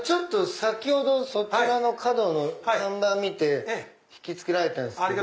先ほどそちらの角の看板見て引き付けられたんですけど。